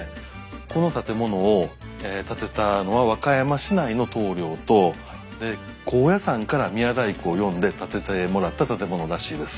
この建物を建てたのは和歌山市内の棟りょうと高野山から宮大工を呼んで建ててもらった建物らしいです。